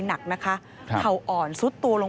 พบหน้าลูกแบบเป็นร่างไร้วิญญาณ